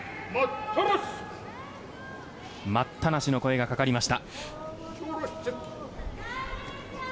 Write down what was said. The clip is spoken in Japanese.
待ったなしの声がかかりました。